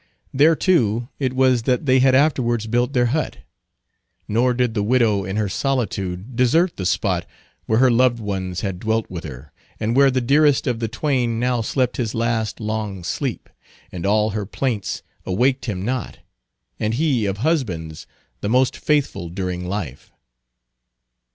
There, too, it was that they had afterwards built their hut. Nor did the widow in her solitude desert the spot where her loved ones had dwelt with her, and where the dearest of the twain now slept his last long sleep, and all her plaints awaked him not, and he of husbands the most faithful during life.